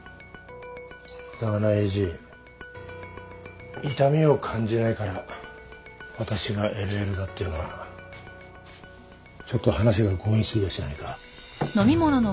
だがなエイジ痛みを感じないから私がＬＬだっていうのはちょっと話が強引すぎやしないか。